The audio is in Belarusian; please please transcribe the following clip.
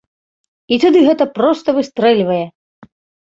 І тады гэта проста выстрэльвае!